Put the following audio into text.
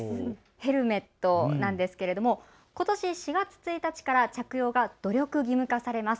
ヘルメットなんですけれどもことし４月１日から着用が努力義務化されます。